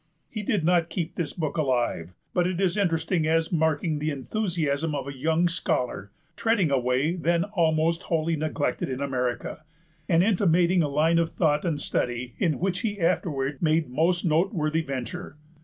He did not keep this book alive; but it is interesting as marking the enthusiasm of a young scholar treading a way then almost wholly neglected in America, and intimating a line of thought and study in which he afterward made most noteworthy venture.